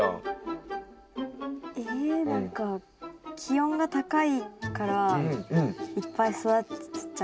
え何か気温が高いからいっぱい育っちゃう？